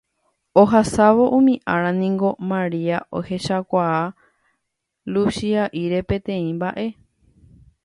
Ohasávo umi ára niko Maria ohechakuaa Luchia'íre peteĩ mba'e